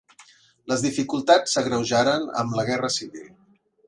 Les dificultats s'agreujaren amb la Guerra Civil.